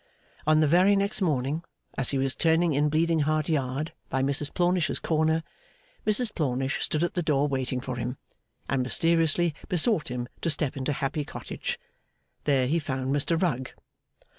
On the very next morning, as he was turning in Bleeding Heart Yard by Mrs Plornish's corner, Mrs Plornish stood at the door waiting for him, and mysteriously besought him to step into Happy Cottage. There he found Mr Rugg.